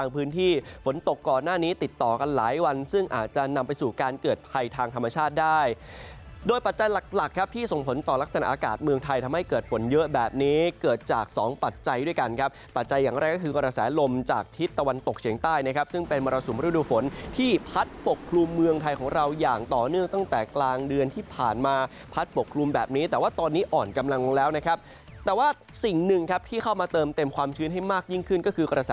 ปัจจัยด้วยกันครับปัจจัยอย่างไรก็คือกรสายลมจากทิศตะวันตกเฉียงใต้นะครับซึ่งเป็นมรสุมฤดูฝนที่พัดปกคลุมเมืองไทยของเราอย่างต่อเนื่องตั้งแต่กลางเดือนที่ผ่านมาพัดปกคลุมแบบนี้แต่ว่าตอนนี้อ่อนกำลังแล้วนะครับแต่ว่าสิ่งหนึ่งครับที่เข้ามาเติมเต็มความชื้นให้มากยิ่งขึ้นก็คือกรส